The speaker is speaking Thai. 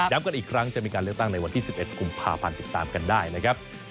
กันอีกครั้งจะมีการเลือกตั้งในวันที่๑๑กุมภาพันธ์ติดตามกันได้นะครับ